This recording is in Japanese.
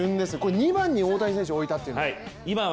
２番に大谷選手を置いたというのは？